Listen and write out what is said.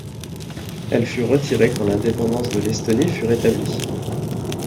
Elle fut retirée quand l'indépendance de l'Estonie fut rétablie.